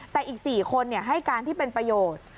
แต่อีก๔คนให้การที่เป็นประโยชน์